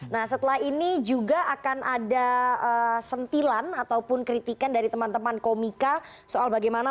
nah setelah ini juga akan ada sentilan ataupun kritikan dari teman teman komika soal bagaimana